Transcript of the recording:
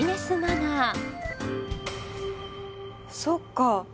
そっか。